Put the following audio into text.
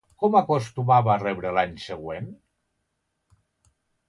Com acostumava a rebre l'any següent?